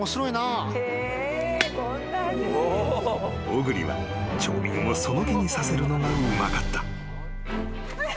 ［小栗は町民をその気にさせるのがうまかった］